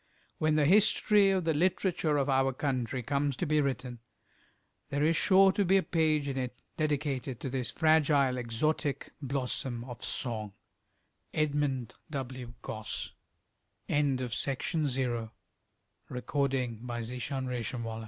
When the history of the literature of our country comes to be written, there is sure to be a page in it dedicated to this fragile exotic blossom of song. EDMUND W. GOSSE. 1881. ANCIENT BALLADS OF HINDUSTAN. I. SAVITRI. PART I.